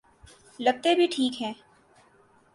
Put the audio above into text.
لگتے بھی ٹھیک ہیں۔